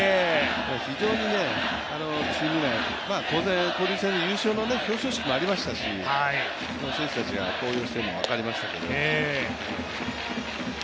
非常にチーム内、当然、交流戦優勝の表彰式もありましたし、選手たちが高揚しているのは分かりましたけど。